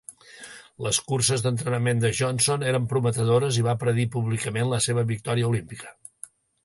Les curses d'entrenament de Johnson eren prometedores i van predir públicament la seva victòria olímpica.